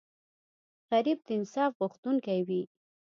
غریب د انصاف غوښتونکی وي